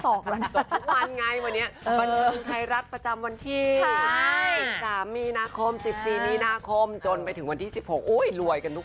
จบทุกวันไงวันนี้บันเทิงไทยรัฐประจำวันที่๑๓มีนาคม๑๔มีนาคมจนไปถึงวันที่๑๖โอ้ยรวยกันทุกวัน